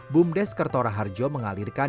bumdes kertora harjo mengalirkan